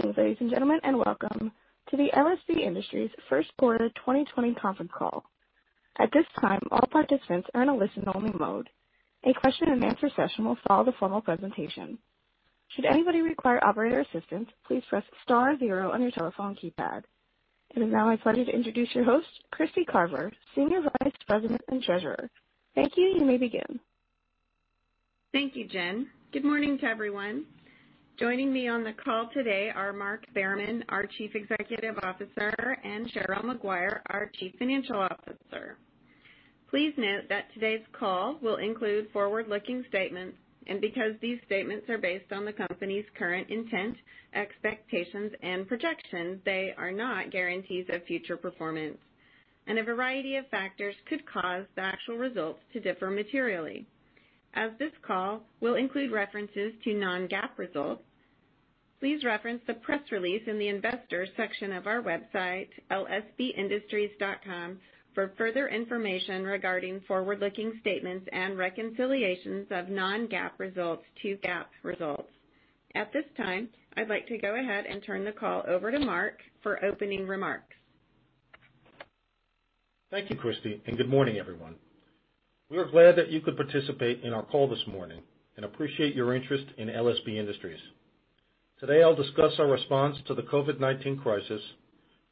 Good evening, ladies and gentlemen, and welcome to the LSB Industries first quarter 2020 conference call. At this time, all participants are in a listen-only mode. A question and answer session will follow the formal presentation. Should anybody require operator assistance, please press star zero on your telephone keypad. It is now my pleasure to introduce your host, Kristy Carver, Senior Vice President and Treasurer. Thank you. You may begin. Thank you, Jen. Good morning to everyone. Joining me on the call today are Mark Behrman, our Chief Executive Officer, and Cheryl Maguire, our Chief Financial Officer. Please note that today's call will include forward-looking statements, because these statements are based on the company's current intent, expectations, and projections, they are not guarantees of future performance. A variety of factors could cause the actual results to differ materially. As this call will include references to non-GAAP results, please reference the press release in the investors section of our website, lsbindustries.com, for further information regarding forward-looking statements and reconciliations of non-GAAP results to GAAP results. At this time, I'd like to go ahead and turn the call over to Mark for opening remarks. Thank you, Kristy. Good morning, everyone. We are glad that you could participate in our call this morning and appreciate your interest in LSB Industries. Today, I'll discuss our response to the COVID-19 crisis,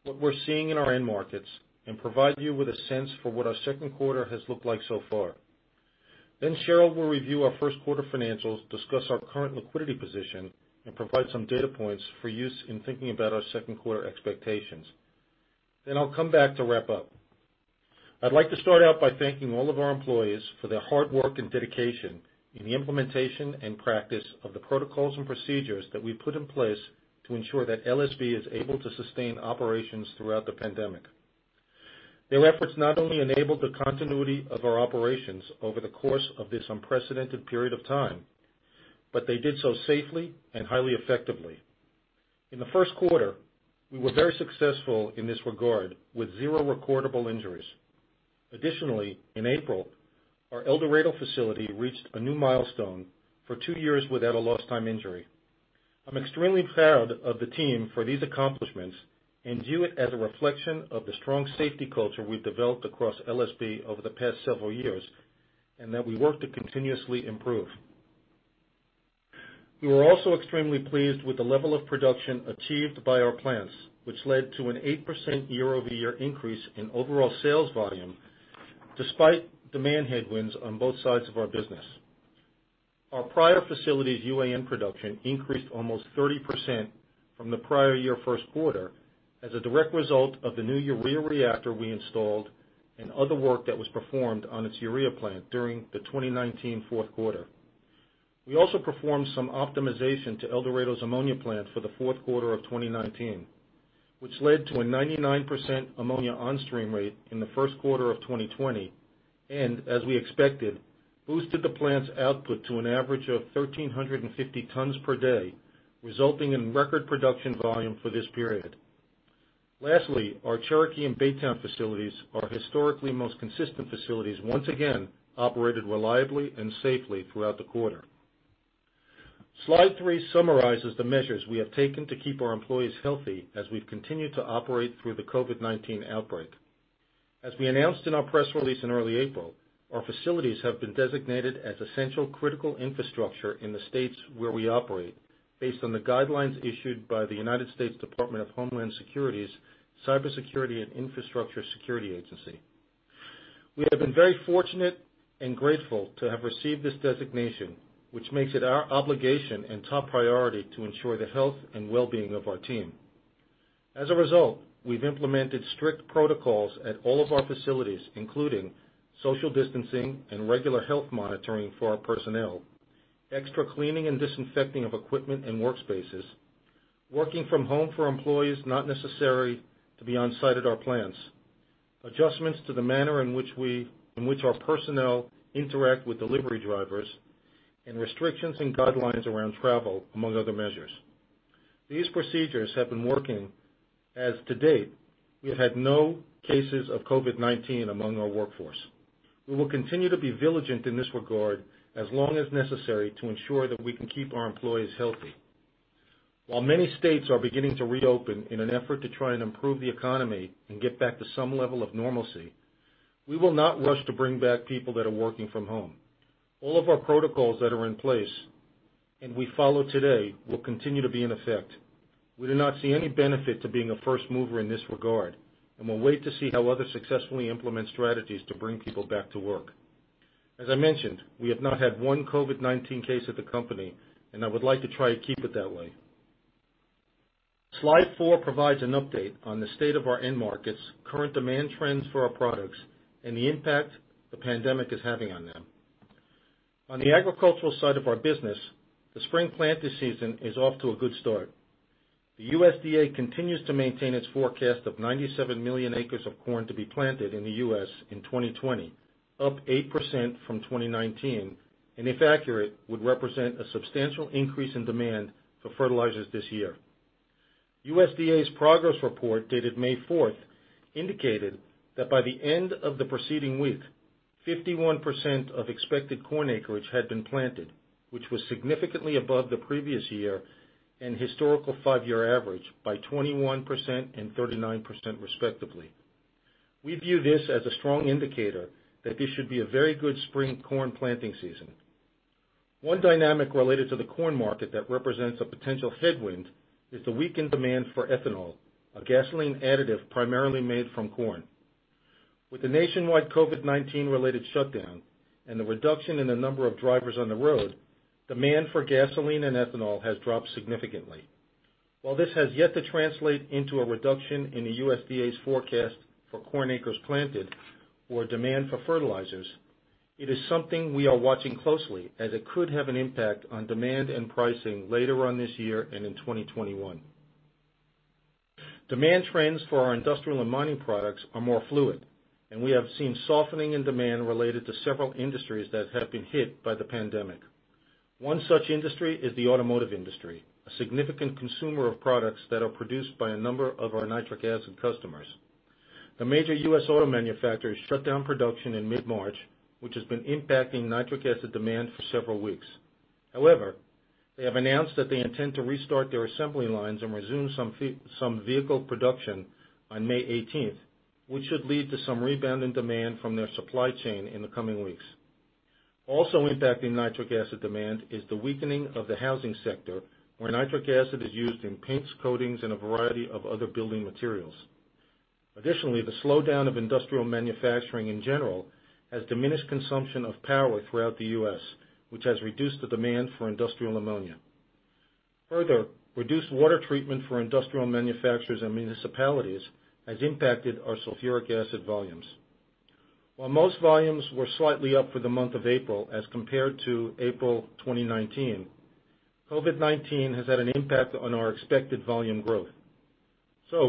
what we're seeing in our end markets, and provide you with a sense for what our second quarter has looked like so far. Cheryl will review our first quarter financials, discuss our current liquidity position, and provide some data points for use in thinking about our second quarter expectations. I'll come back to wrap up. I'd like to start out by thanking all of our employees for their hard work and dedication in the implementation and practice of the protocols and procedures that we've put in place to ensure that LSB is able to sustain operations throughout the pandemic. Their efforts not only enabled the continuity of our operations over the course of this unprecedented period of time, but they did so safely and highly effectively. In the first quarter, we were very successful in this regard with zero recordable injuries. Additionally, in April, our El Dorado facility reached a new milestone for two years without a lost time injury. I'm extremely proud of the team for these accomplishments and view it as a reflection of the strong safety culture we've developed across LSB over the past several years, and that we work to continuously improve. We were also extremely pleased with the level of production achieved by our plants, which led to an 8% year-over-year increase in overall sales volume despite demand headwinds on both sides of our business. Our Pryor facility's UAN production increased almost 30% from the prior year first quarter as a direct result of the new urea reactor we installed and other work that was performed on its urea plant during the 2019 fourth quarter. We also performed some optimization to El Dorado's ammonia plant for the fourth quarter of 2019, which led to a 99% ammonia on-stream rate in the first quarter of 2020, and as we expected, boosted the plant's output to an average of 1,350 tons per day, resulting in record production volume for this period. Lastly, our Cherokee and Baytown facilities, our historically most consistent facilities, once again operated reliably and safely throughout the quarter. Slide three summarizes the measures we have taken to keep our employees healthy as we've continued to operate through the COVID-19 outbreak. As we announced in our press release in early April, our facilities have been designated as essential critical infrastructure in the states where we operate based on the guidelines issued by the United States Department of Homeland Security's Cybersecurity and Infrastructure Security Agency. We have been very fortunate and grateful to have received this designation, which makes it our obligation and top priority to ensure the health and well-being of our team. As a result, we've implemented strict protocols at all of our facilities, including social distancing and regular health monitoring for our personnel, extra cleaning and disinfecting of equipment and workspaces, working from home for employees not necessary to be on-site at our plants, adjustments to the manner in which our personnel interact with delivery drivers, and restrictions and guidelines around travel, among other measures. These procedures have been working as to date, we have had no cases of COVID-19 among our workforce. We will continue to be vigilant in this regard as long as necessary to ensure that we can keep our employees healthy. While many states are beginning to reopen in an effort to try and improve the economy and get back to some level of normalcy, we will not rush to bring back people that are working from home. All of our protocols that are in place and we follow today will continue to be in effect. We do not see any benefit to being a first mover in this regard, and we'll wait to see how others successfully implement strategies to bring people back to work. As I mentioned, we have not had one COVID-19 case at the company, and I would like to try to keep it that way. Slide four provides an update on the state of our end markets, current demand trends for our products, and the impact the pandemic is having on them. On the agricultural side of our business, the spring planting season is off to a good start. The USDA continues to maintain its forecast of 97 million acres of corn to be planted in the U.S. in 2020, up 8% from 2019, and if accurate, would represent a substantial increase in demand for fertilizers this year. USDA's progress report dated May 4th indicated that by the end of the preceding week 51% of expected corn acreage had been planted, which was significantly above the previous year and historical five-year average by 21% and 39% respectively. We view this as a strong indicator that this should be a very good spring corn planting season. One dynamic related to the corn market that represents a potential headwind is the weakened demand for ethanol, a gasoline additive primarily made from corn. With the nationwide COVID-19 related shutdown and the reduction in the number of drivers on the road, demand for gasoline and ethanol has dropped significantly. While this has yet to translate into a reduction in the USDA's forecast for corn acres planted or demand for fertilizers, it is something we are watching closely as it could have an impact on demand and pricing later on this year and in 2021. Demand trends for our industrial and mining products are more fluid, and we have seen softening in demand related to several industries that have been hit by the pandemic. One such industry is the automotive industry, a significant consumer of products that are produced by a number of our nitric acid customers. The major U.S. auto manufacturers shut down production in mid-March, which has been impacting nitric acid demand for several weeks. However, they have announced that they intend to restart their assembly lines and resume some vehicle production on May 18th, which should lead to some rebound in demand from their supply chain in the coming weeks. Also impacting nitric acid demand is the weakening of the housing sector, where nitric acid is used in paints, coatings, and a variety of other building materials. Additionally, the slowdown of industrial manufacturing in general has diminished consumption of power throughout the U.S., which has reduced the demand for industrial ammonia. Further, reduced water treatment for industrial manufacturers and municipalities has impacted our sulfuric acid volumes. While most volumes were slightly up for the month of April as compared to April 2019, COVID-19 has had an impact on our expected volume growth.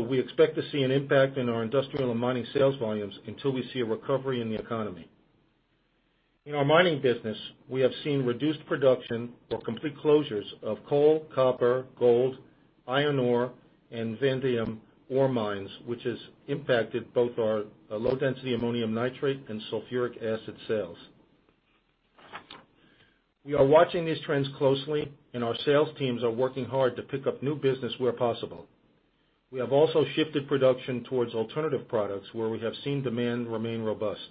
We expect to see an impact in our industrial and mining sales volumes until we see a recovery in the economy. In our mining business, we have seen reduced production or complete closures of coal, copper, gold, iron ore, and vanadium ore mines, which has impacted both our low-density ammonium nitrate and sulfuric acid sales. We are watching these trends closely, and our sales teams are working hard to pick up new business where possible. We have also shifted production towards alternative products where we have seen demand remain robust.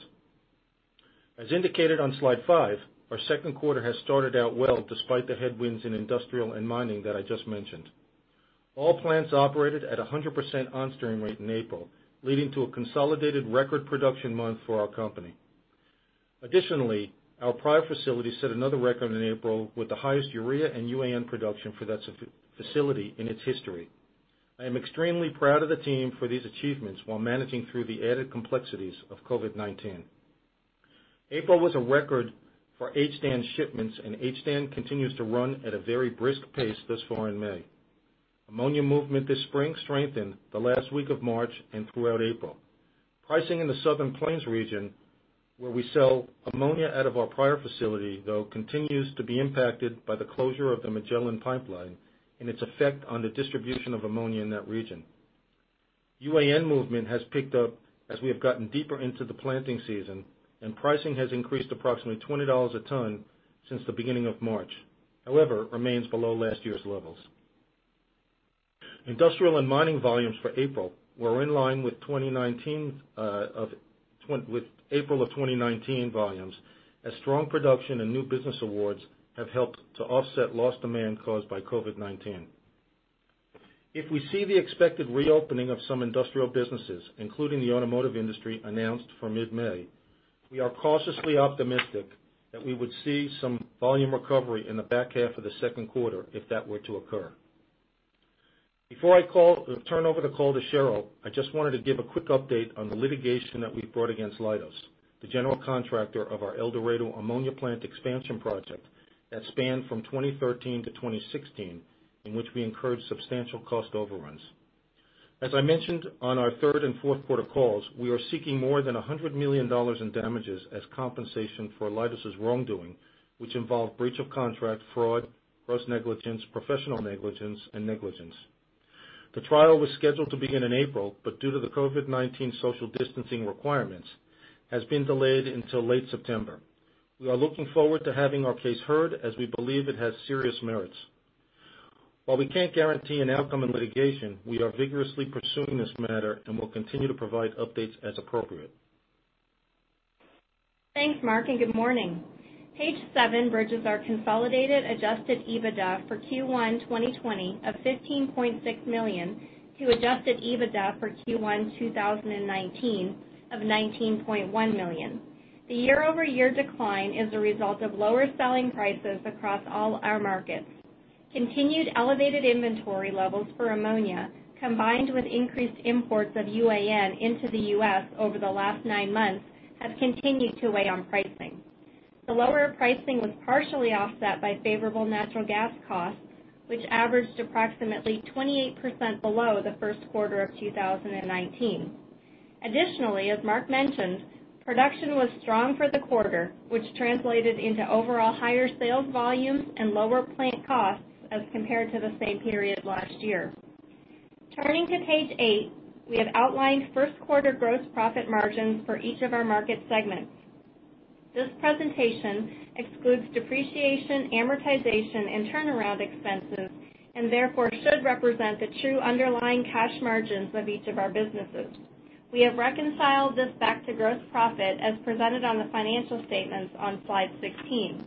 As indicated on slide five, our second quarter has started out well despite the headwinds in industrial and mining that I just mentioned. All plants operated at 100% on-streaming rate in April, leading to a consolidated record production month for our company. Additionally, our Pryor facility set another record in April with the highest urea and UAN production for that facility in its history. I am extremely proud of the team for these achievements while managing through the added complexities of COVID-19. April was a record for HDAN shipments, HDAN continues to run at a very brisk pace thus far in May. Ammonia movement this spring strengthened the last week of March and throughout April. Pricing in the Southern Plains region, where we sell ammonia out of our Pryor facility, though, continues to be impacted by the closure of the Magellan pipeline and its effect on the distribution of ammonia in that region. UAN movement has picked up as we have gotten deeper into the planting season, pricing has increased approximately $20 a ton since the beginning of March, however, remains below last year's levels. Industrial and mining volumes for April were in line with April of 2019 volumes as strong production and new business awards have helped to offset lost demand caused by COVID-19. If we see the expected reopening of some industrial businesses, including the automotive industry announced for mid-May, we are cautiously optimistic that we would see some volume recovery in the back half of the second quarter if that were to occur. Before I turn over the call to Cheryl, I just wanted to give a quick update on the litigation that we've brought against Leidos, the general contractor of our El Dorado ammonia plant expansion project that spanned from 2013 to 2016, in which we incurred substantial cost overruns. As I mentioned on our third and fourth quarter calls, we are seeking more than $100 million in damages as compensation for Leidos' wrongdoing, which involved breach of contract, fraud, gross negligence, professional negligence, and negligence. The trial was scheduled to begin in April, but due to the COVID-19 social distancing requirements, has been delayed until late September. We are looking forward to having our case heard as we believe it has serious merits. While we can't guarantee an outcome in litigation, we are vigorously pursuing this matter and will continue to provide updates as appropriate. Thanks, Mark. Good morning. Page seven bridges our consolidated adjusted EBITDA for Q1 2020 of $15.6 million to adjusted EBITDA for Q1 2019 of $19.1 million. The year-over-year decline is a result of lower selling prices across all our markets. Continued elevated inventory levels for ammonia, combined with increased imports of UAN into the U.S. over the last nine months have continued to weigh on pricing. The lower pricing was partially offset by favorable natural gas costs, which averaged approximately 28% below the first quarter of 2019. Additionally, as Mark mentioned, production was strong for the quarter, which translated into overall higher sales volumes and lower plant costs as compared to the same period last year. Turning to page eight, we have outlined first quarter gross profit margins for each of our market segments. This presentation excludes depreciation, amortization, and turnaround expenses, and therefore should represent the true underlying cash margins of each of our businesses. We have reconciled this back to gross profit as presented on the financial statements on slide 16.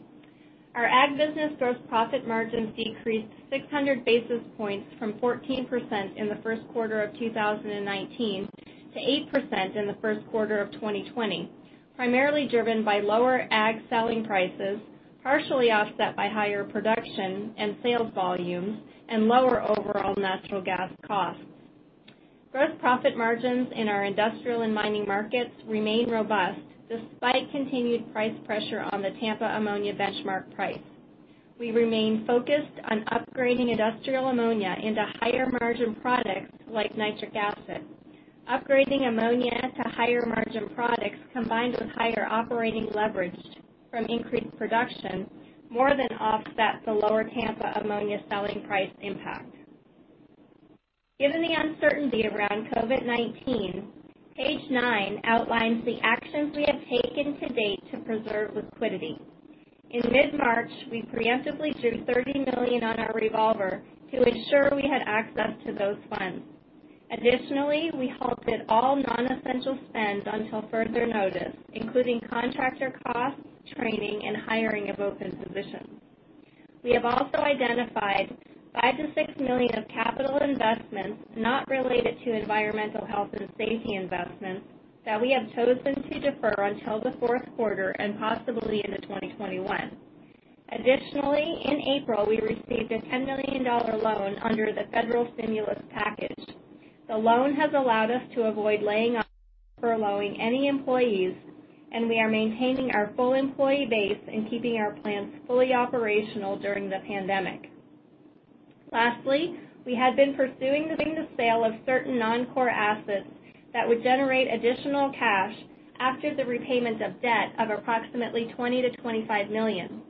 Our ag business gross profit margins decreased 600 basis points from 14% in the first quarter of 2019 to 8% in the first quarter of 2020, primarily driven by lower ag selling prices, partially offset by higher production and sales volumes and lower overall natural gas costs. Gross profit margins in our industrial and mining markets remain robust despite continued price pressure on the Tampa ammonia benchmark price. We remain focused on upgrading industrial ammonia into higher margin products like nitric acid. Upgrading ammonia to higher margin products, combined with higher operating leverage from increased production, more than offsets the lower Tampa ammonia selling price impact. Given the uncertainty around COVID-19, page nine outlines the actions we have taken to date to preserve liquidity. In mid-March, we preemptively drew $30 million on our revolver to ensure we had access to those funds. We halted all non-essential spends until further notice, including contractor costs, training, and hiring of open positions. We have also identified $5 million-$6 million of capital investments not related to environmental health and safety investments that we have chosen to defer until the fourth quarter and possibly into 2021. In April, we received a $10 million loan under the federal stimulus package. The loan has allowed us to avoid laying off or furloughing any employees, and we are maintaining our full employee base and keeping our plants fully operational during the pandemic. Lastly, we had been pursuing the sale of certain non-core assets that would generate additional cash after the repayment of debt of approximately $20 million-$25 million.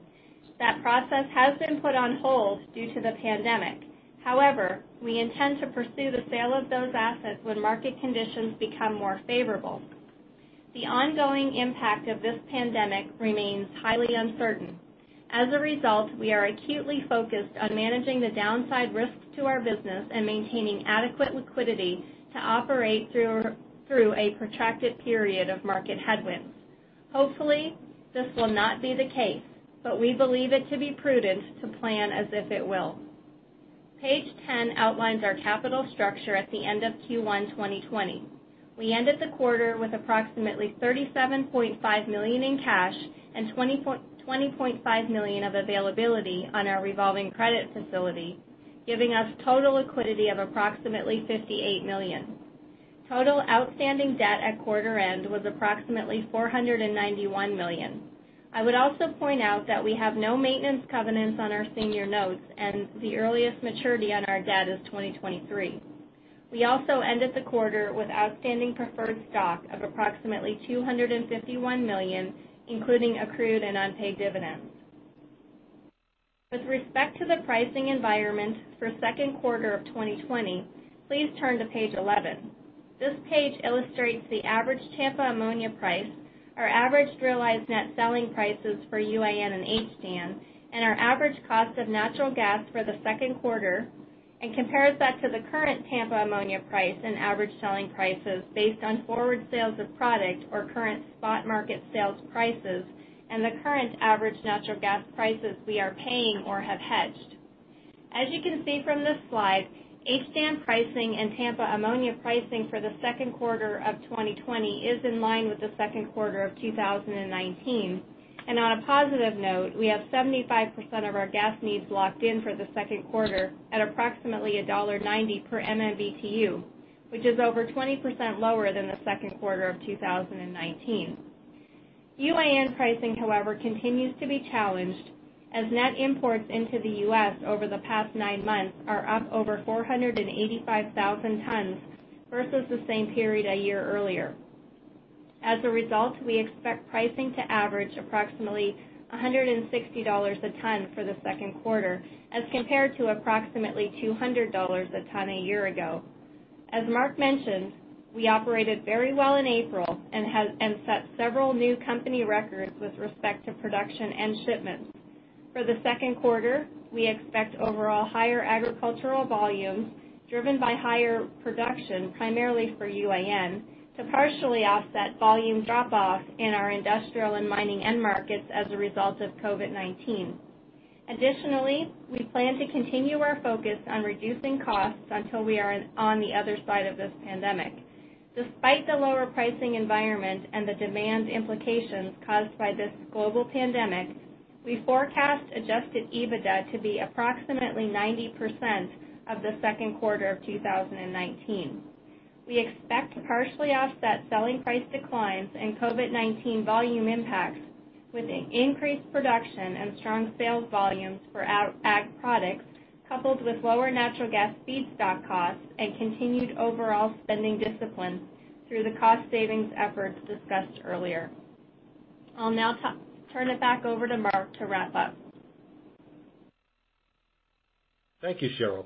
That process has been put on hold due to the pandemic. However, we intend to pursue the sale of those assets when market conditions become more favorable. The ongoing impact of this pandemic remains highly uncertain. As a result, we are acutely focused on managing the downside risks to our business and maintaining adequate liquidity to operate through a protracted period of market headwinds. Hopefully, this will not be the case, but we believe it to be prudent to plan as if it will. Page 10 outlines our capital structure at the end of Q1 2020. We ended the quarter with approximately $37.5 million in cash and $20.5 million of availability on our revolving credit facility, giving us total liquidity of approximately $58 million. Total outstanding debt at quarter end was approximately $491 million. I would also point out that we have no maintenance covenants on our senior notes, and the earliest maturity on our debt is 2023. We also ended the quarter with outstanding preferred stock of approximately $251 million, including accrued and unpaid dividends. With respect to the pricing environment for second quarter of 2020, please turn to page 11. This page illustrates the average Tampa ammonia price, our average realized net selling prices for UAN and HDAN, and our average cost of natural gas for the second quarter, and compares that to the current Tampa ammonia price and average selling prices based on forward sales of product or current spot market sales prices, and the current average natural gas prices we are paying or have hedged. As you can see from this slide, HDAN pricing and Tampa ammonia pricing for the second quarter of 2020 is in line with the second quarter of 2019. On a positive note, we have 75% of our gas needs locked in for the second quarter at approximately $1.90 per MMBtu, which is over 20% lower than the second quarter of 2019. UAN pricing, however, continues to be challenged as net imports into the U.S. over the past nine months are up over 485,000 tons versus the same period a year earlier. As a result, we expect pricing to average approximately $160 a ton for the second quarter as compared to approximately $200 a ton a year ago. As Mark mentioned, we operated very well in April and set several new company records with respect to production and shipments. For the second quarter, we expect overall higher agricultural volumes driven by higher production, primarily for UAN, to partially offset volume drop-off in our industrial and mining end markets as a result of COVID-19. Additionally, we plan to continue our focus on reducing costs until we are on the other side of this pandemic. Despite the lower pricing environment and the demand implications caused by this global pandemic, we forecast adjusted EBITDA to be approximately 90% of the second quarter of 2019. We expect to partially offset selling price declines and COVID-19 volume impacts with increased production and strong sales volumes for ag products, coupled with lower natural gas feedstock costs and continued overall spending discipline through the cost savings efforts discussed earlier. I'll now turn it back over to Mark to wrap up. Thank you, Cheryl.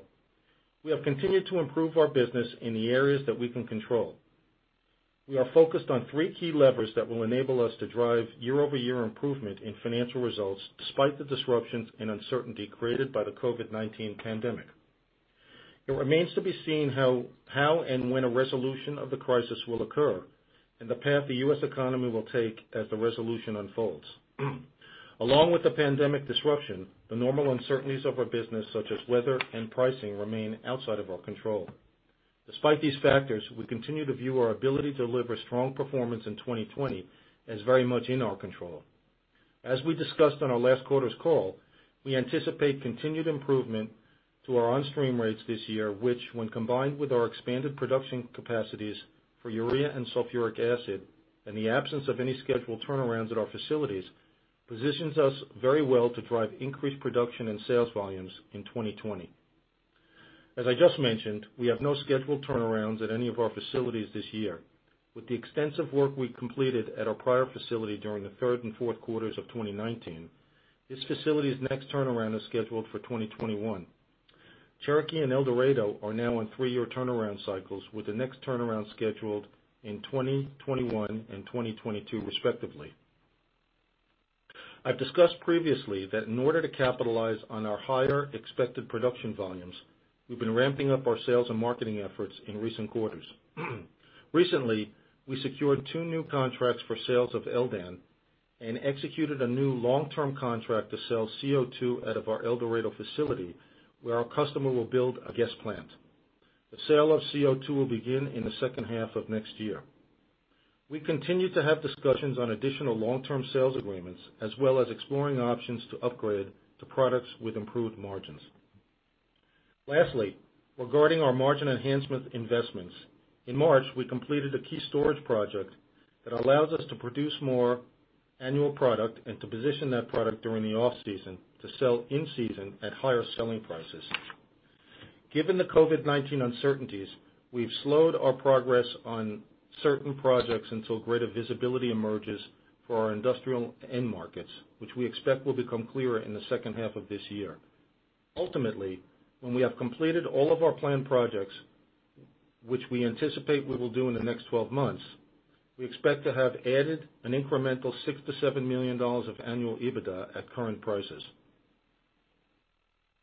We have continued to improve our business in the areas that we can control. We are focused on three key levers that will enable us to drive year-over-year improvement in financial results, despite the disruptions and uncertainty created by the COVID-19 pandemic. It remains to be seen how and when a resolution of the crisis will occur and the path the U.S. economy will take as the resolution unfolds. Along with the pandemic disruption, the normal uncertainties of our business, such as weather and pricing, remain outside of our control. Despite these factors, we continue to view our ability to deliver strong performance in 2020 as very much in our control. As we discussed on our last quarter's call, we anticipate continued improvement to our on-stream rates this year, which when combined with our expanded production capacities for urea and sulfuric acid and the absence of any scheduled turnarounds at our facilities, positions us very well to drive increased production and sales volumes in 2020. As I just mentioned, we have no scheduled turnarounds at any of our facilities this year. With the extensive work we completed at our pryor facility during the third and fourth quarters of 2019, this facility's next turnaround is scheduled for 2021. Cherokee and El Dorado are now on three-year turnaround cycles, with the next turnaround scheduled in 2021 and 2022, respectively. I've discussed previously that in order to capitalize on our higher expected production volumes, we've been ramping up our sales and marketing efforts in recent quarters. Recently, we secured two new contracts for sales of LDAN and executed a new long-term contract to sell CO2 out of our El Dorado facility, where our customer will build a gas plant. The sale of CO2 will begin in the second half of next year. We continue to have discussions on additional long-term sales agreements, as well as exploring options to upgrade to products with improved margins. Lastly, regarding our margin enhancement investments. In March, we completed a key storage project that allows us to produce more annual product and to position that product during the off-season to sell in-season at higher selling prices. Given the COVID-19 uncertainties, we've slowed our progress on certain projects until greater visibility emerges for our industrial end markets, which we expect will become clearer in the second half of this year. Ultimately, when we have completed all of our planned projects, which we anticipate we will do in the next 12 months, we expect to have added an incremental $6 million-$7 million of annual EBITDA at current prices.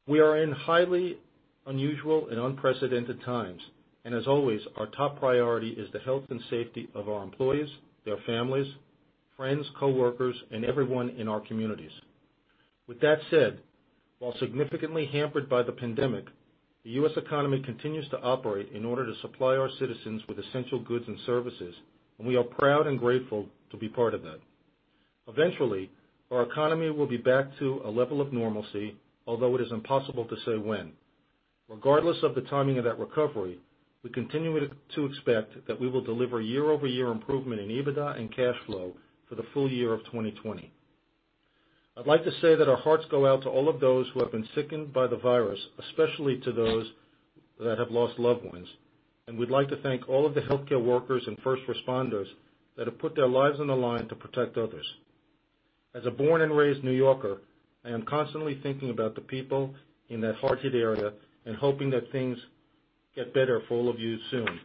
We are in highly unusual and unprecedented times, and as always, our top priority is the health and safety of our employees, their families, friends, coworkers, and everyone in our communities. With that said, while significantly hampered by the pandemic, the U.S. economy continues to operate in order to supply our citizens with essential goods and services, and we are proud and grateful to be part of that. Eventually, our economy will be back to a level of normalcy, although it is impossible to say when. Regardless of the timing of that recovery, we continue to expect that we will deliver year-over-year improvement in EBITDA and cash flow for the full year of 2020. I'd like to say that our hearts go out to all of those who have been sickened by the virus, especially to those that have lost loved ones, and we'd like to thank all of the healthcare workers and first responders that have put their lives on the line to protect others. As a born and raised New Yorker, I am constantly thinking about the people in that hard-hit area and hoping that things get better for all of you soon.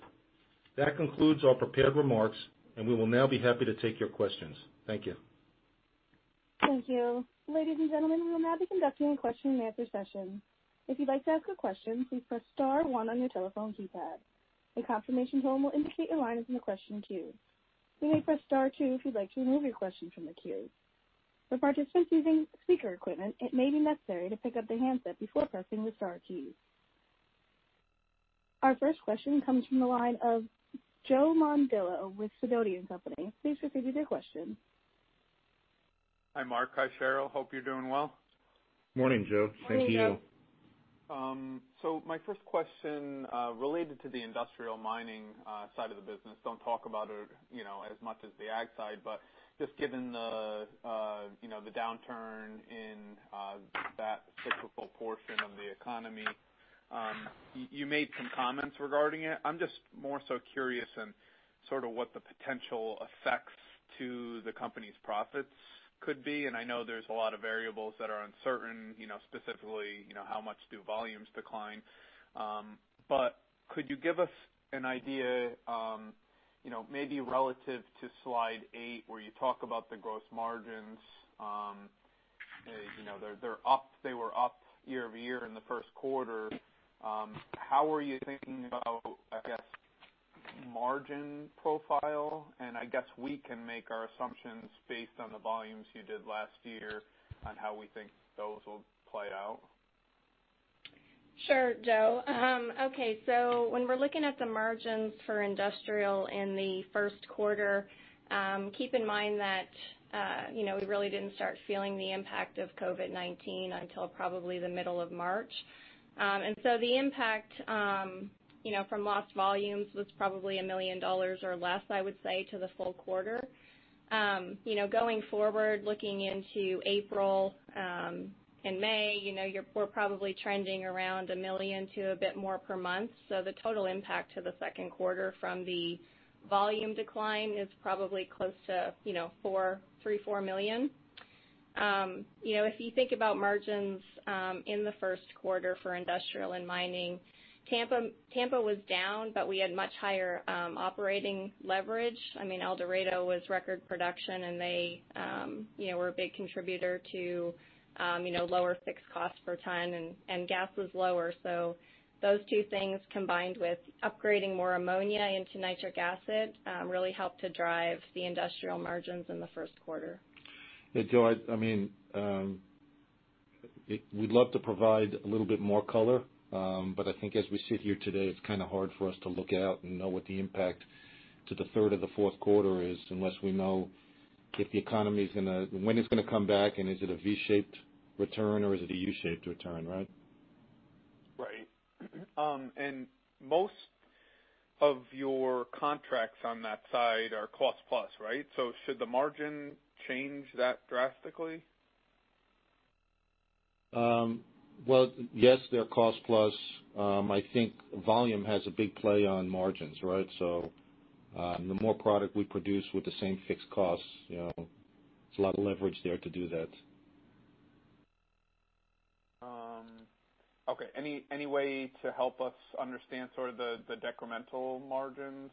That concludes our prepared remarks, and we will now be happy to take your questions. Thank you. Thank you. Ladies and gentlemen, we will now be conducting a question and answer session. If you'd like to ask a question, please press star one on your telephone keypad. A confirmation tone will indicate your line is in the question queue. You may press star two if you'd like to remove your question from the queue. For participants using speaker equipment, it may be necessary to pick up the handset before pressing the star keys. Our first question comes from the line of Joe Mondillo with Sidoti & Company. Please proceed with your question. Hi, Mark. Hi, Cheryl. Hope you're doing well. Morning, Joe. Thank you. Morning, Joe. My first question related to the industrial mining side of the business. Don't talk about it as much as the ag side, but just given the downturn in that typical portion of the economy. You made some comments regarding it. I'm just more so curious on sort of what the potential effects to the company's profits could be, and I know there's a lot of variables that are uncertain, specifically how much do volumes decline. Could you give us an idea, maybe relative to slide eight where you talk about the gross margins. They were up year-over-year in the first quarter. How are you thinking about, I guess, margin profile? I guess we can make our assumptions based on the volumes you did last year on how we think those will play out. Sure, Joe. Okay. When we're looking at the margins for industrial in the first quarter, keep in mind that we really didn't start feeling the impact of COVID-19 until probably the middle of March. The impact from lost volumes was probably $1 million or less, I would say, to the full quarter. Going forward, looking into April and May, we're probably trending around $1 million to a bit more per month. The total impact to the second quarter from the volume decline is probably close to $3 million-$4 million. If you think about margins in the first quarter for industrial and mining, Tampa was down, but we had much higher operating leverage. El Dorado was record production, and they were a big contributor to lower fixed costs per ton, and gas was lower. Those two things, combined with upgrading more ammonia into nitric acid really helped to drive the industrial margins in the first quarter. Yeah, Joe, we'd love to provide a little bit more color. I think as we sit here today, it's kind of hard for us to look out and know what the impact to the third or the fourth quarter is, unless we know when it's going to come back, and is it a V-shaped return or is it a U-shaped return, right? Right. Most of your contracts on that side are cost plus, right? Should the margin change that drastically? Well, yes, they're cost plus. I think volume has a big play on margins, right? The more product we produce with the same fixed costs, there's a lot of leverage there to do that. Okay. Any way to help us understand sort of the decremental margins?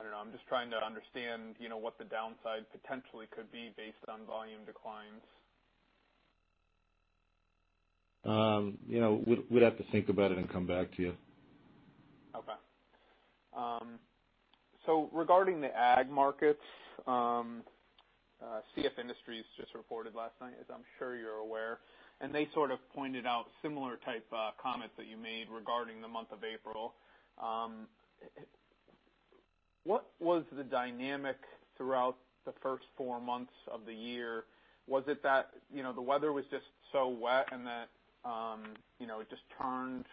I don't know, I'm just trying to understand what the downside potentially could be based on volume declines. We'd have to think about it and come back to you. Okay. Regarding the ag markets, CF Industries just reported last night, as I'm sure you're aware. They sort of pointed out similar type comments that you made regarding the month of April. What was the dynamic throughout the first four months of the year? Was it that the weather was just so wet and that it just turned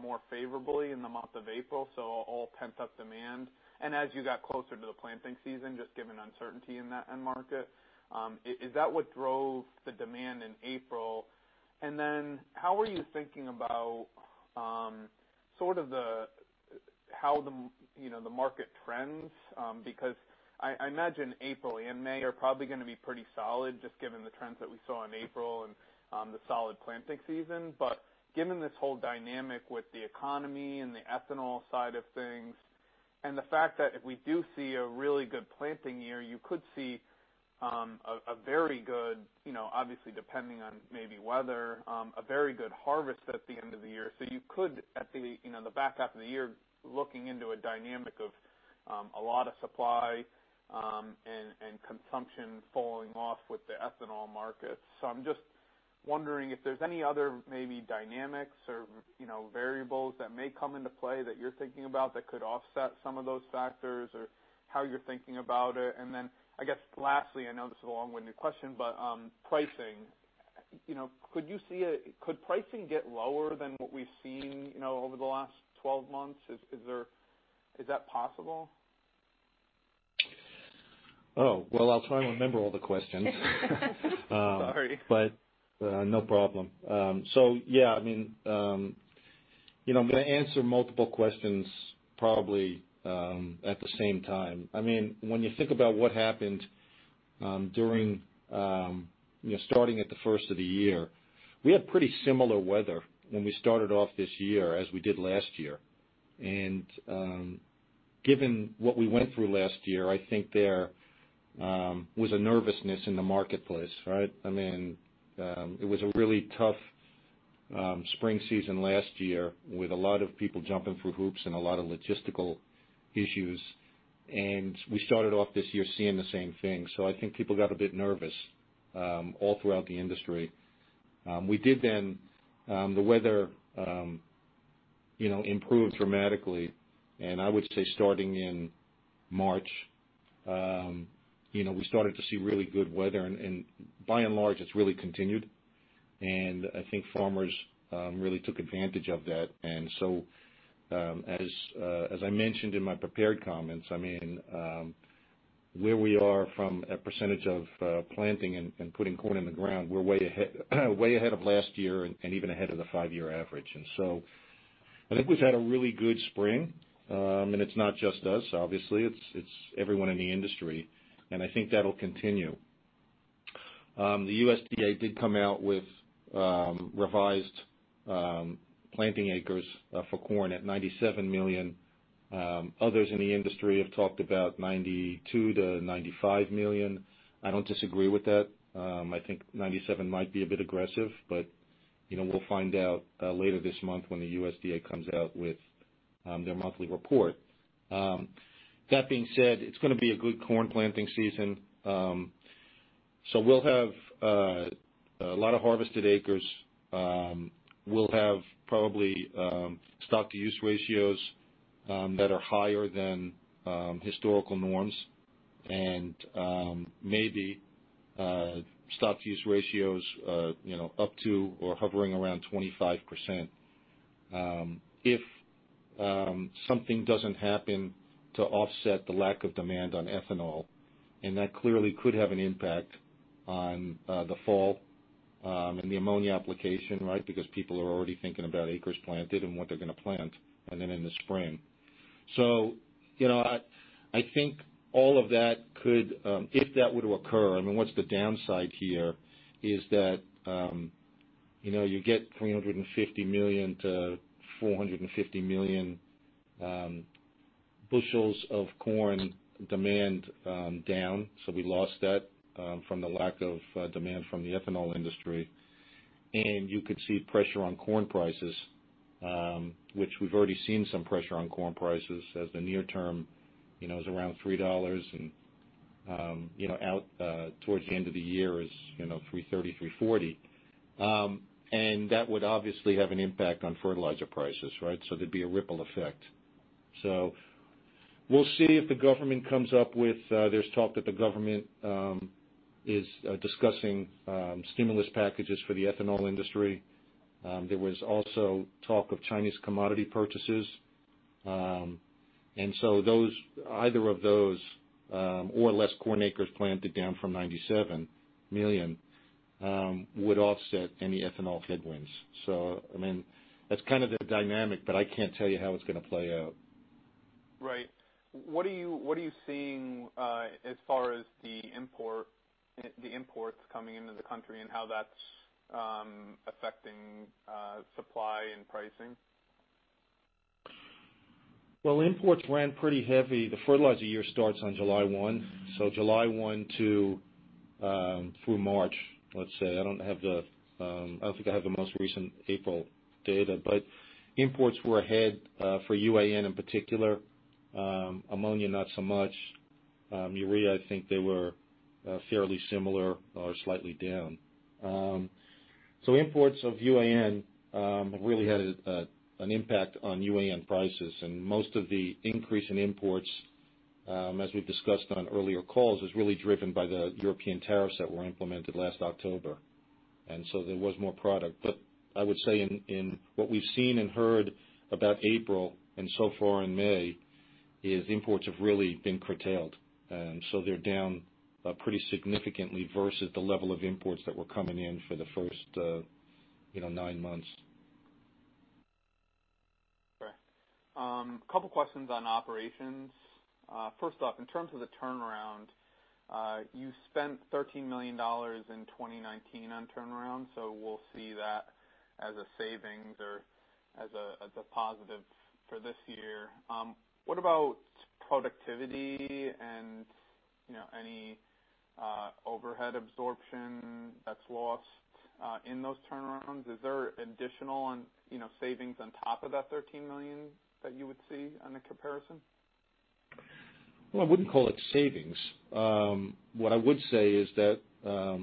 more favorably in the month of April, so all pent-up demand? As you got closer to the planting season, just given uncertainty in that end market, is that what drove the demand in April? How are you thinking about sort of how the market trends? I imagine April and May are probably going to be pretty solid, just given the trends that we saw in April and the solid planting season. Given this whole dynamic with the economy and the ethanol side of things, and the fact that if we do see a really good planting year, you could see, obviously depending on maybe weather, a very good harvest at the end of the year. You could, at the back half of the year, looking into a dynamic of a lot of supply and consumption falling off with the ethanol market. I'm just wondering if there's any other maybe dynamics or variables that may come into play that you're thinking about that could offset some of those factors, or how you're thinking about it. I guess lastly, I know this is a long-winded question, but pricing. Could pricing get lower than what we've seen over the last 12 months? Is that possible? Oh, well, I'll try and remember all the questions. Sorry. No problem. Yeah, I'm going to answer multiple questions probably at the same time. When you think about what happened starting at the first of the year, we had pretty similar weather when we started off this year, as we did last year. Given what we went through last year, I think there was a nervousness in the marketplace. It was a really tough spring season last year with a lot of people jumping through hoops and a lot of logistical issues. We started off this year seeing the same thing. I think people got a bit nervous all throughout the industry. The weather improved dramatically, and I would say starting in March we started to see really good weather, and by and large, it's really continued. I think farmers really took advantage of that. As I mentioned in my prepared comments, where we are from a percentage of planting and putting corn in the ground, we're way ahead of last year and even ahead of the five-year average. I think we've had a really good spring. It's not just us, obviously. It's everyone in the industry, and I think that'll continue. The USDA did come out with revised planting acres for corn at 97 million. Others in the industry have talked about 92 million to 95 million. I don't disagree with that. I think 97 might be a bit aggressive, but we'll find out later this month when the USDA comes out with their monthly report. That being said, it's going to be a good corn planting season. We'll have a lot of harvested acres. We'll have probably stock-to-use ratios that are higher than historical norms and maybe stock-to-use ratios up to or hovering around 25%. If something doesn't happen to offset the lack of demand on ethanol, that clearly could have an impact on the fall and the ammonia application. People are already thinking about acres planted and what they're going to plant and then in the spring. I think all of that could, if that were to occur, I mean, what's the downside here is that you get 350 million-450 million bushels of corn demand down. We lost that from the lack of demand from the ethanol industry, and you could see pressure on corn prices, which we've already seen some pressure on corn prices as the near term is around $3, and out towards the end of the year is $330, $340. That would obviously have an impact on fertilizer prices, right? There'd be a ripple effect. We'll see if the government comes up with. There's talk that the government is discussing stimulus packages for the ethanol industry. There was also talk of Chinese commodity purchases. Either of those, or less corn acres planted down from 97 million, would offset any ethanol headwinds. That's kind of the dynamic, but I can't tell you how it's going to play out. Right. What are you seeing as far as the imports coming into the country and how that's affecting supply and pricing? Imports ran pretty heavy. The fertilizer year starts on July 1. July 1 through March, let's say. I don't think I have the most recent April data, but imports were ahead for UAN in particular. Ammonia, not so much. Urea, I think they were fairly similar or slightly down. Imports of UAN really had an impact on UAN prices, and most of the increase in imports, as we've discussed on earlier calls, was really driven by the European tariffs that were implemented last October. There was more product. I would say in what we've seen and heard about April and so far in May, is imports have really been curtailed. They're down pretty significantly versus the level of imports that were coming in for the first nine months. Okay. Couple questions on operations. First off, in terms of the turnaround, you spent $13 million in 2019 on turnaround, so we'll see that as a savings or as a positive for this year. What about productivity and any overhead absorption that's lost in those turnarounds? Is there additional savings on top of that $13 million that you would see on the comparison? Well, I wouldn't call it savings. What I would say is that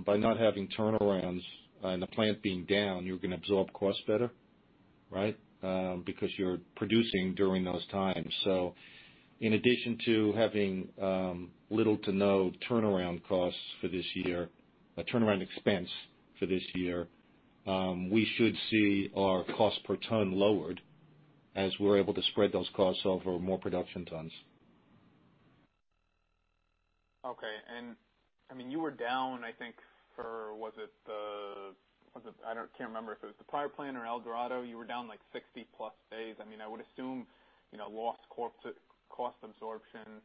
by not having turnarounds and the plant being down, you're going to absorb cost better, right? Because you're producing during those times. In addition to having little to no turnaround costs for this year, a turnaround expense for this year, we should see our cost per ton lowered as we're able to spread those costs over more production tons. Okay. You were down, I think for, I can't remember if it was the Pryor plant or El Dorado, you were down like 60-plus days. I would assume lost cost absorption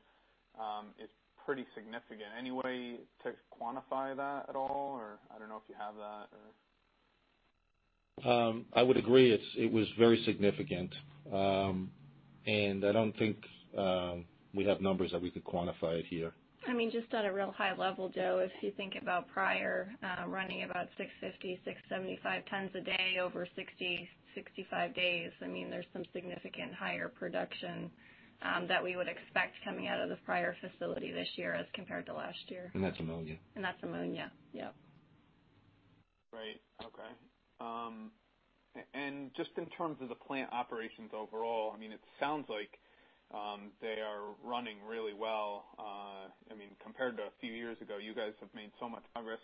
is pretty significant. Any way to quantify that at all? I don't know if you have that? I would agree. It was very significant. I don't think we have numbers that we could quantify it here. Just at a real high level, Joe, if you think about Pryor running about 650, 675 tons a day over 60, 65 days, there's some significant higher production that we would expect coming out of the Pryor facility this year as compared to last year. That's ammonia. That's ammonia. Yep. Right. Okay. Just in terms of the plant operations overall, it sounds like they are running really well. Compared to a few years ago, you guys have made so much progress.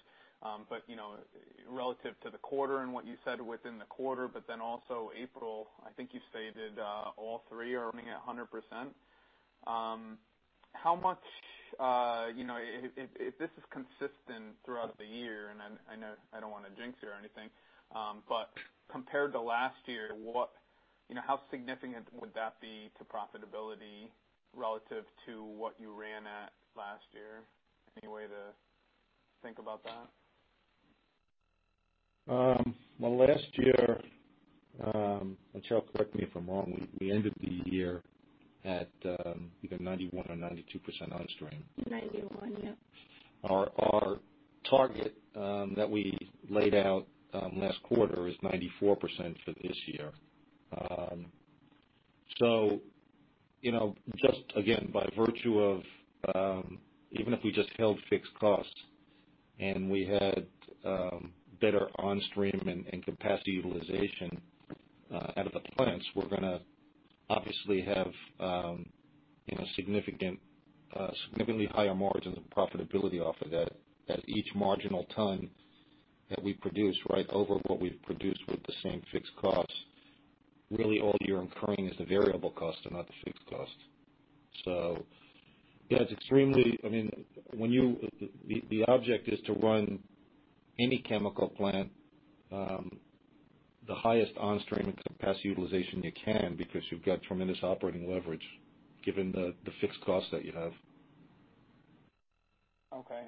Relative to the quarter and what you said within the quarter, but then also April, I think you stated all three are running at 100%. If this is consistent throughout the year, and I don't want to jinx you or anything, but compared to last year, how significant would that be to profitability relative to what you ran at last year? Any way to think about that? Well, last year, and Cheryl correct me if I'm wrong, we ended the year at either 91% or 92% on stream. 91, yep. Our target that we laid out last quarter is 94% for this year. Just again, by virtue of even if we just held fixed costs and we had better on-stream and capacity utilization out of the plants, we're gonna obviously have significantly higher margins and profitability off of that each marginal ton that we produce right over what we've produced with the same fixed costs. Really all you're incurring is the variable cost and not the fixed cost. Yeah, the object is to run any chemical plant the highest on-stream capacity utilization you can, because you've got tremendous operating leverage given the fixed costs that you have. Okay.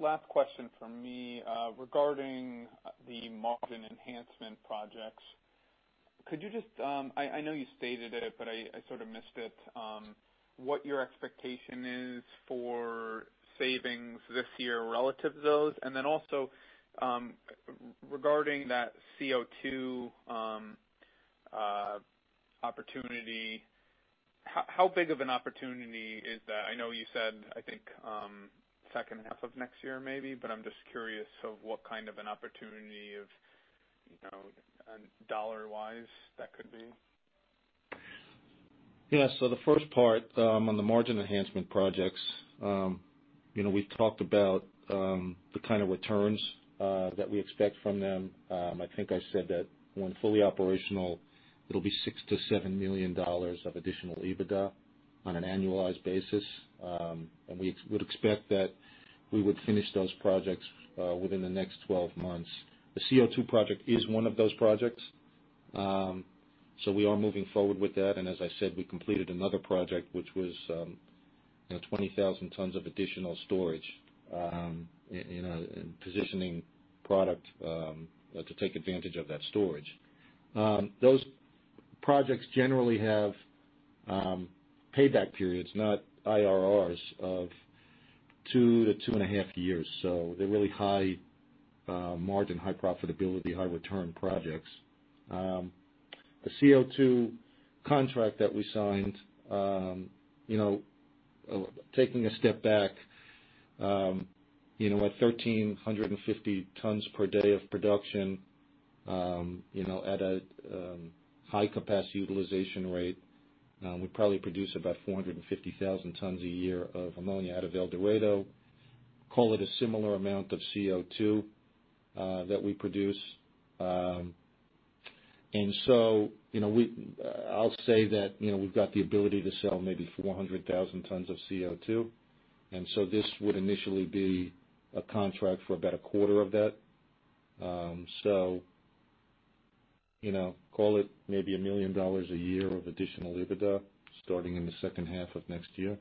Last question from me regarding the margin enhancement projects. I know you stated it, but I sort of missed it, what your expectation is for savings this year relative to those? Then also regarding that CO2 opportunity, how big of an opportunity is that? I know you said, I think second half of next year maybe, but I'm just curious of what kind of an opportunity dollar-wise that could be. Yeah. The first part on the margin enhancement projects. We've talked about the kind of returns that we expect from them. I think I said that when fully operational, it'll be $6 million-$7 million of additional EBITDA on an annualized basis. We would expect that we would finish those projects within the next 12 months. The CO2 project is one of those projects. We are moving forward with that. As I said, we completed another project, which was 20,000 tons of additional storage and positioning product to take advantage of that storage. Those projects generally have payback periods, not IRRs, of 2-2.5 years. They're really high margin, high profitability, high return projects. The CO2 contract that we signed, taking a step back, at 1,350 tons per day of production at a high capacity utilization rate we probably produce about 450,000 tons a year of ammonia out of El Dorado. Call it a similar amount of CO2 that we produce. I'll say that we've got the ability to sell maybe 400,000 tons of CO2. This would initially be a contract for about a quarter of that. Call it maybe $1 million a year of additional EBITDA starting in the second half of next year.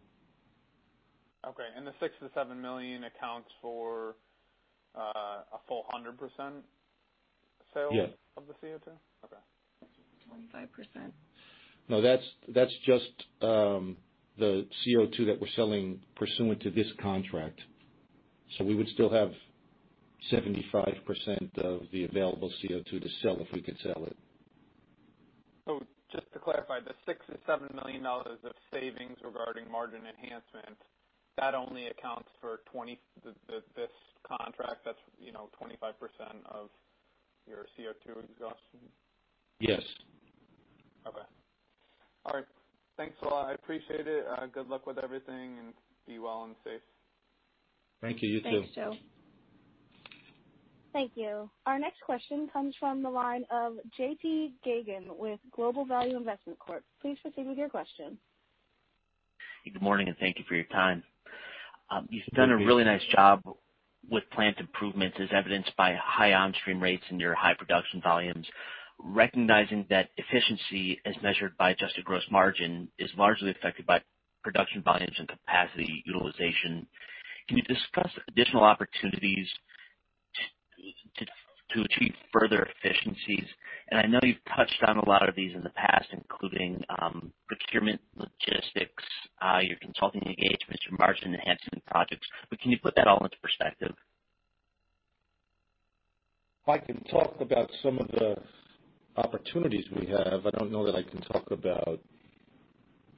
Okay. The $6 million-$7 million accounts for a full 100% sale- Yes of the CO2? Okay. 25%. No, that's just the CO2 that we're selling pursuant to this contract. We would still have 75% of the available CO2 to sell if we could sell it. Just to clarify, the $6 million-$7 million of savings regarding margin enhancement, that only accounts for this contract that's 25% of your CO2 exhaustion? Yes. Okay. All right. Thanks a lot. I appreciate it. Good luck with everything, and be well and safe. Thank you. You too. Thanks, Joe. Thank you. Our next question comes from the line of J.P. Geygan with Global Value Investment Corp. Please proceed with your question. Good morning, and thank you for your time. You've done a really nice job with plant improvements, as evidenced by high on-stream rates and your high production volumes. Recognizing that efficiency, as measured by adjusted gross margin, is largely affected by production volumes and capacity utilization, can you discuss additional opportunities to achieve further efficiencies? I know you've touched on a lot of these in the past, including procurement, logistics your consulting engagements, your margin enhancement projects, but can you put that all into perspective? I can talk about some of the opportunities we have. I don't know that I can talk about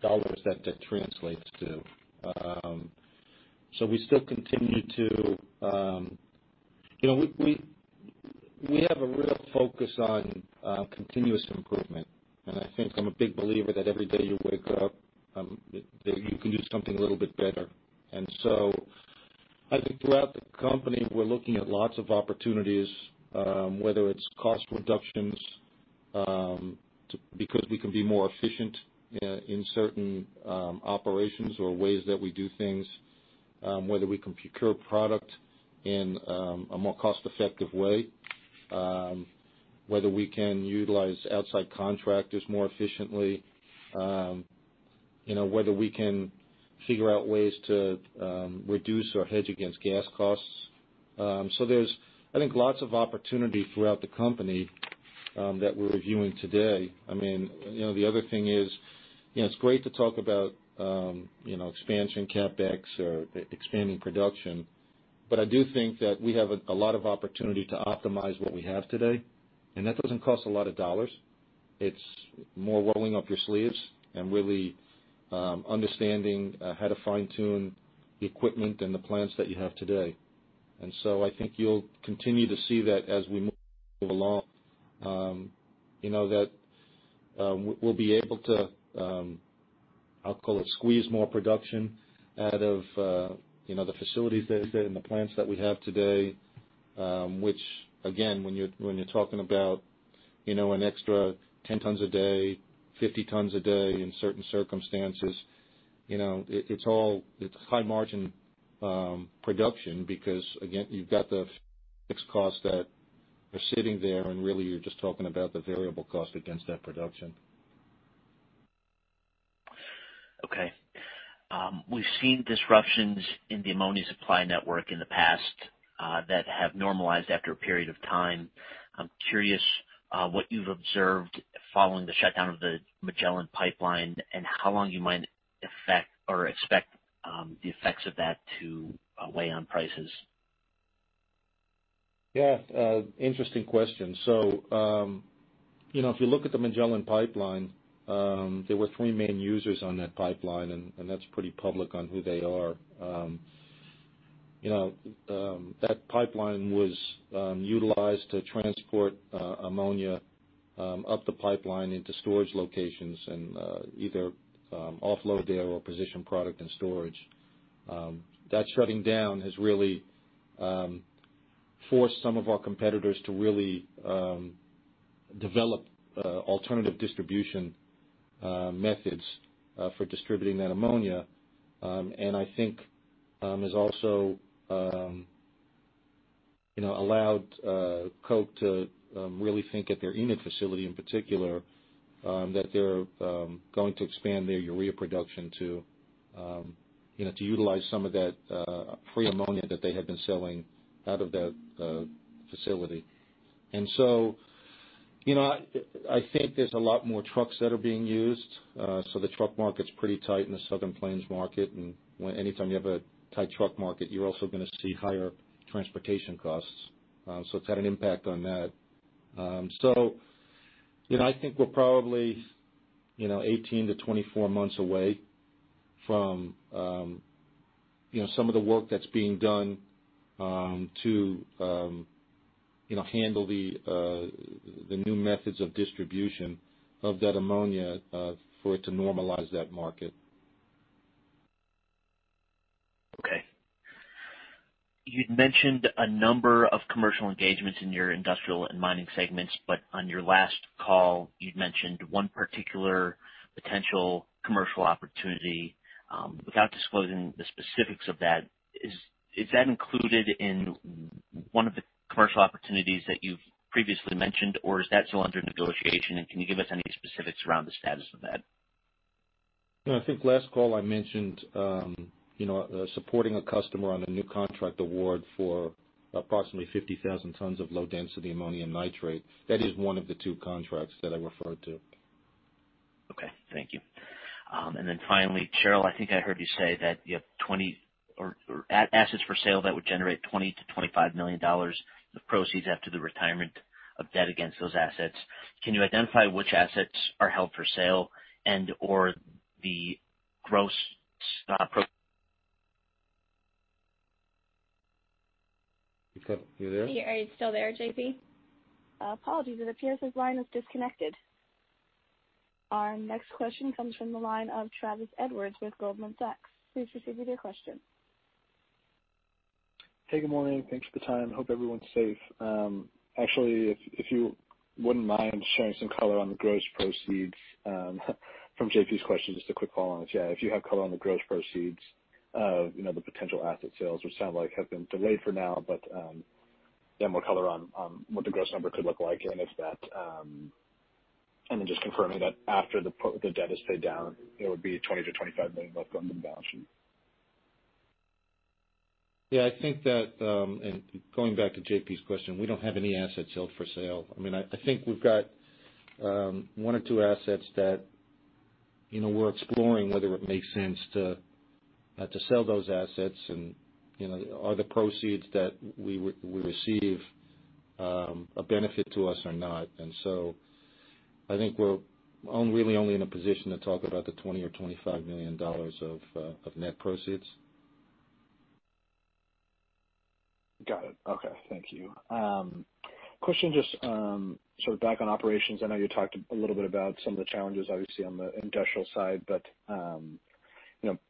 dollars that translates to. We have a real focus on continuous improvement. I think I'm a big believer that every day you wake up that you can do something a little bit better. I think throughout the company, we're looking at lots of opportunities whether it's cost reductions because we can be more efficient in certain operations or ways that we do things, whether we can procure product in a more cost-effective way, whether we can utilize outside contractors more efficiently, whether we can figure out ways to reduce or hedge against gas costs. There's, I think, lots of opportunity throughout the company that we're reviewing today. The other thing is, it's great to talk about expansion, CapEx or expanding production. I do think that we have a lot of opportunity to optimize what we have today. That doesn't cost a lot of dollars. It's more rolling up your sleeves and really understanding how to fine-tune the equipment and the plants that you have today. I think you'll continue to see that as we move along that we'll be able to, I'll call it squeeze more production out of the facilities that I said and the plants that we have today which again, when you're talking about an extra 10 tons a day, 50 tons a day in certain circumstances, it's high-margin production, because again, you've got the fixed costs that are sitting there, and really you're just talking about the variable cost against that production. We've seen disruptions in the ammonia supply network in the past that have normalized after a period of time. I'm curious what you've observed following the shutdown of the Magellan pipeline, and how long you might expect the effects of that to weigh on prices. Yeah. Interesting question. If you look at the Magellan pipeline, there were three main users on that pipeline, and that's pretty public on who they are. That pipeline was utilized to transport ammonia up the pipeline into storage locations and either offload there or position product in storage. That shutting down has really forced some of our competitors to really develop alternative distribution methods for distributing that ammonia. I think has also allowed Koch to really think at their Enid facility in particular, that they're going to expand their urea production to utilize some of that free ammonia that they had been selling out of that facility. I think there's a lot more trucks that are being used. The truck market's pretty tight in the Southern Plains market. Anytime you have a tight truck market, you're also going to see higher transportation costs. It's had an impact on that. I think we're probably 18-24 months away from some of the work that's being done to handle the new methods of distribution of that ammonia for it to normalize that market. Okay. You'd mentioned a number of commercial engagements in your industrial and mining segments, but on your last call, you'd mentioned one particular potential commercial opportunity. Without disclosing the specifics of that, is that included in one of the commercial opportunities that you've previously mentioned, or is that still under negotiation? Can you give us any specifics around the status of that? No, I think last call I mentioned supporting a customer on a new contract award for approximately 50,000 tons of low-density ammonium nitrate. That is one of the two contracts that I referred to. Okay. Thank you. Finally, Cheryl, I think I heard you say that you have assets for sale that would generate $20 million-$25 million of proceeds after the retirement of debt against those assets. Can you identify which assets are held for sale and/or the gross pro- You there? Are you still there, J.P.? Apologies, it appears his line is disconnected. Our next question comes from the line of Travis Edwards with Goldman Sachs. Please proceed with your question. Hey, good morning. Thanks for the time. Hope everyone's safe. Actually, if you wouldn't mind sharing some color on the gross proceeds from J.P.'s question, just a quick follow on it. Yeah, if you have color on the gross proceeds of the potential asset sales, which sound like have been delayed for now, but get more color on what the gross number could look like. Just confirming that after the debt is paid down, it would be $20 million-$25 million left on the balance sheet. Yeah, I think that, and going back to JP's question, we don't have any assets held for sale. I think we've got one or two assets that we're exploring whether it makes sense to sell those assets and are the proceeds that we receive a benefit to us or not. I think we're really only in a position to talk about the $20 million or $25 million of net proceeds. Got it. Okay. Thank you. Question just sort of back on operations. I know you talked a little bit about some of the challenges obviously on the industrial side, but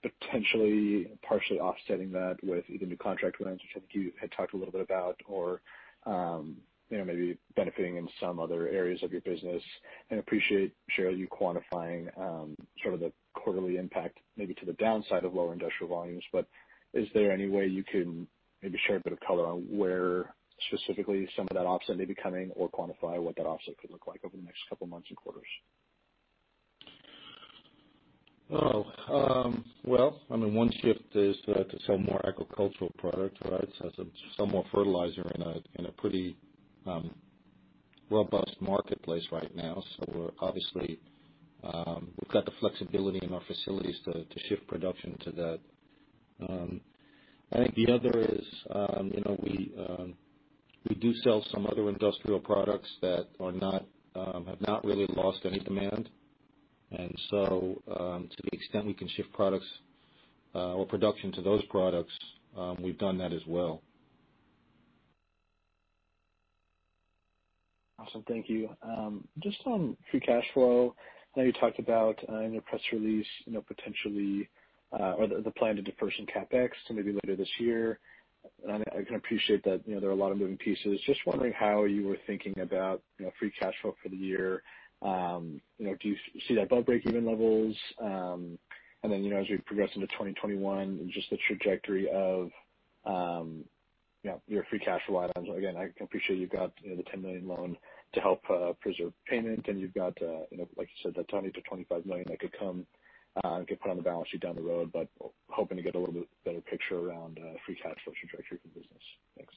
potentially partially offsetting that with either new contract wins, which I think you had talked a little bit about, or maybe benefiting in some other areas of your business. Appreciate, Cheryl, you quantifying sort of the quarterly impact maybe to the downside of lower industrial volumes. Is there any way you can maybe share a bit of color on where specifically some of that offset may be coming or quantify what that offset could look like over the next couple months and quarters? Well, one shift is to sell more agricultural product, right? Sell more fertilizer in a pretty robust marketplace right now. We're obviously, we've got the flexibility in our facilities to shift production to that. I think the other is we do sell some other industrial products that have not really lost any demand. To the extent we can shift products or production to those products, we've done that as well. Awesome. Thank you. Just on free cash flow. I know you talked about in your press release, potentially the plan to defer some CapEx to maybe later this year. I can appreciate that there are a lot of moving pieces. Just wondering how you were thinking about free cash flow for the year. Do you see that about break-even levels? As we progress into 2021, just the trajectory of your free cash flow items. Again, I appreciate you've got the $10 million loan to help preserve payment, and you've got, like you said, that $20 million-$25 million that could come and get put on the balance sheet down the road. Hoping to get a little bit better picture around free cash flow trajectory for the business. Thanks.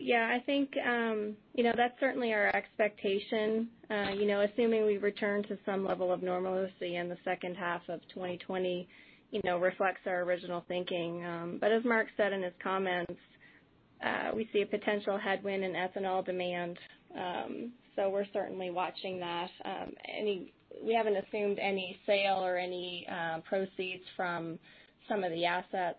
Yeah. I think that's certainly our expectation. Assuming we return to some level of normalcy in the second half of 2020 reflects our original thinking. As Mark said in his comments, we see a potential headwind in ethanol demand. We're certainly watching that. We haven't assumed any sale or any proceeds from some of the assets.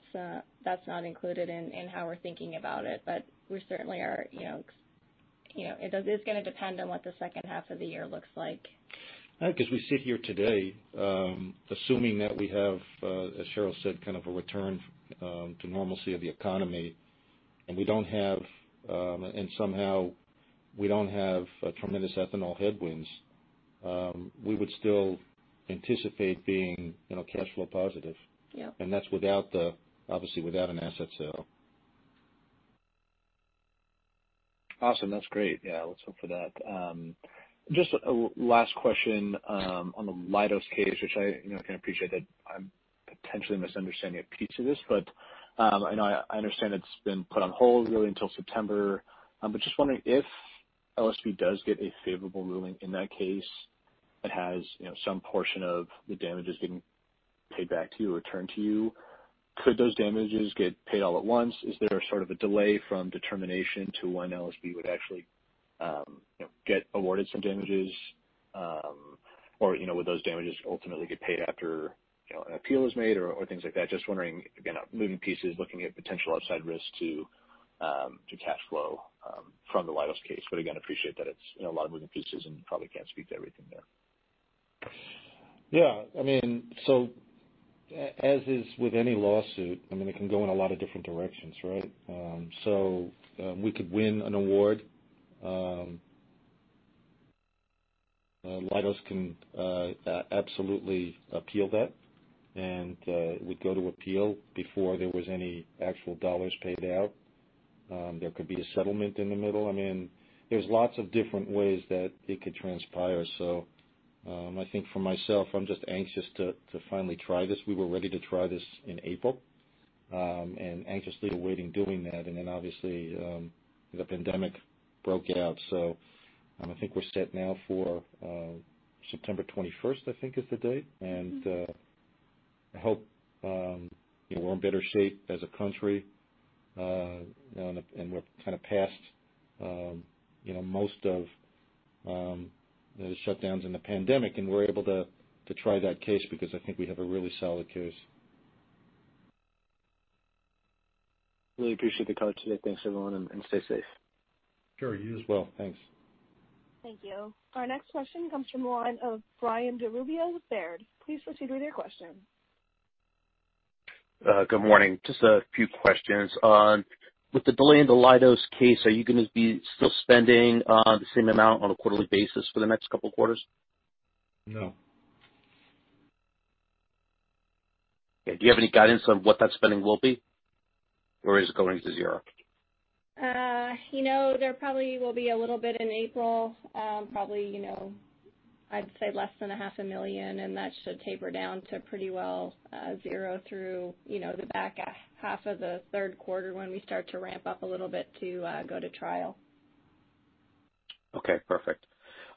That's not included in how we're thinking about it, but we certainly are. It is going to depend on what the second half of the year looks like. I think as we sit here today, assuming that we have, as Cheryl said, kind of a return to normalcy of the economy, and somehow we don't have tremendous ethanol headwinds, we would still anticipate being cash flow positive. Yeah. That's obviously without an asset sale. Awesome. That's great. Yeah, let's hope for that. Just a last question on the Leidos case, which I can appreciate that I'm potentially misunderstanding a piece of this, but I know, I understand it's been put on hold really until September. Just wondering if LSB does get a favorable ruling in that case, it has some portion of the damages getting paid back to you or returned to you, could those damages get paid all at once? Is there a sort of a delay from determination to when LSB would actually get awarded some damages? Or would those damages ultimately get paid after an appeal is made or things like that? Just wondering, again, moving pieces, looking at potential outside risks to cash flow from the Leidos case. Again, appreciate that it's a lot of moving pieces and probably can't speak to everything there. Yeah. As is with any lawsuit, it can go in a lot of different directions, right? We could win an award. Leidos can absolutely appeal that, and it would go to appeal before there was any actual dollars paid out. There could be a settlement in the middle. There's lots of different ways that it could transpire. I think for myself, I'm just anxious to finally try this. We were ready to try this in April and anxiously awaiting doing that. Obviously, the pandemic broke out. I think we're set now for September 21st, I think is the date. I hope we're in better shape as a country and we're kind of past most of the shutdowns in the pandemic and we're able to try that case because I think we have a really solid case. Really appreciate the color today. Thanks, everyone, and stay safe. Sure, you as well. Thanks. Thank you. Our next question comes from the line of Brian DiRubbio with Baird. Please proceed with your question. Good morning. Just a few questions. With the delay in the Leidos case, are you going to be still spending the same amount on a quarterly basis for the next couple of quarters? No. Okay, do you have any guidance on what that spending will be? Is it going to zero? There probably will be a little bit in April. Probably, I'd say less than a half a million, and that should taper down to pretty well zero through the back half of the third quarter when we start to ramp up a little bit to go to trial. Okay, perfect.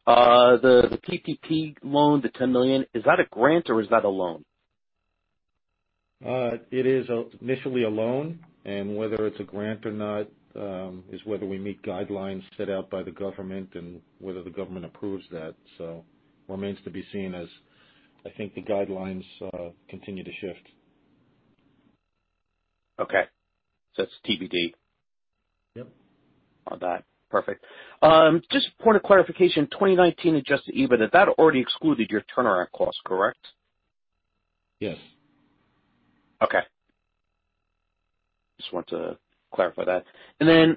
The PPP loan, the $10 million, is that a grant or is that a loan? It is initially a loan, and whether it's a grant or not is whether we meet guidelines set out by the government and whether the government approves that. Remains to be seen as I think the guidelines continue to shift. Okay. That's TBD. Yep. Got that. Perfect. Just point of clarification, 2019 adjusted EBITDA, that already excluded your turnaround costs, correct? Yes. Okay. Just wanted to clarify that. Then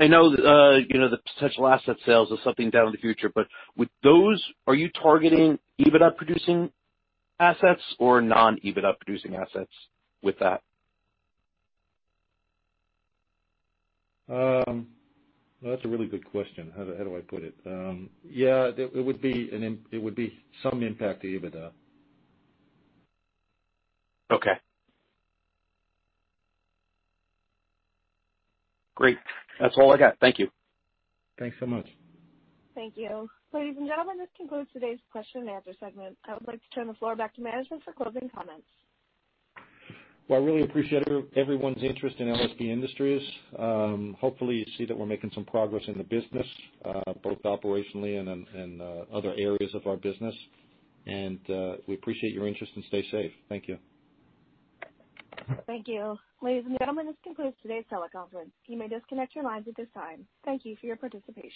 I know the potential asset sales is something down in the future. With those, are you targeting EBITDA-producing assets or non-EBITDA-producing assets with that? That's a really good question. How do I put it? Yeah, it would be some impact to EBITDA. Okay. Great. That's all I got. Thank you. Thanks so much. Thank you. Ladies and gentlemen, this concludes today's question and answer segment. I would like to turn the floor back to management for closing comments. Well, I really appreciate everyone's interest in LSB Industries. Hopefully you see that we're making some progress in the business both operationally and in other areas of our business. We appreciate your interest and stay safe. Thank you. Thank you. Ladies and gentlemen, this concludes today's teleconference. You may disconnect your lines at this time. Thank you for your participation.